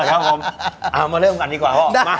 เอามาเริ่มก่อนดีกว่า